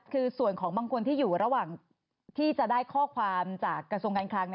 คือส่วนของบางคนที่อยู่ระหว่างที่จะได้ข้อความจากกระทรวงการคลัง